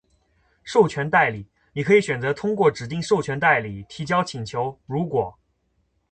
授权代理。您可以选择通过指定授权代理提交请求，如果：